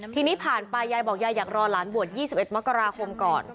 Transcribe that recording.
ทีนี้ผ่านไปยายบอกยายอยากรอหลานบวช๒๑มกราคมก่อน